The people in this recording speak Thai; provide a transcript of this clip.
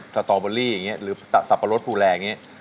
สตอเบอรี่อย่างนี้หรือสับปะรดภูแลอย่างนี้